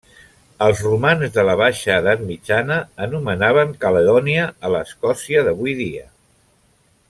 Els romans de la Baixa Edat Mitjana anomenaven Caledònia a l'Escòcia d'avui dia.